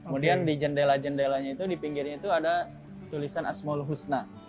kemudian di jendela jendelanya itu di pinggirnya itu ada tulisan ⁇ asmaul husna